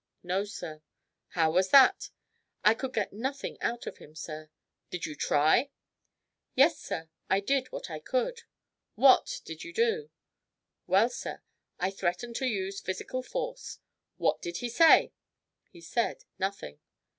"No, sir." "How was that?" "I could get nothing out of him, sir." "Did you try?" "Yes, sir; I did what I could." "What did you do?" "Well, sir, I threatened to use physical force." "What did he say?" "He said nothing."